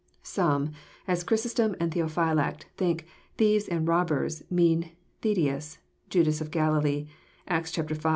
Some, as Chrysostom and Theophylact, think " thieves and robbers " mean Theudas, Judas of Galilee, (Acts v.